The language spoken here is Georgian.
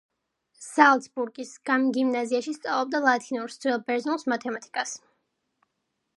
ზალცბურგის გიმნაზიაში სწავლობდა ლათინურს, ძველ ბერძნულს, მათემატიკას.